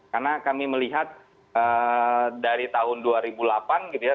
karena kami melihat dari tahun dua ribu delapan gitu ya